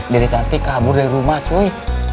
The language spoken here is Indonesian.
diri cantik kabur dari rumah cuy